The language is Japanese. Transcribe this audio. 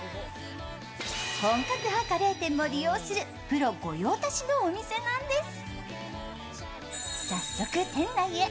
本格派カレー店も利用するプロ御用達のお店なんです。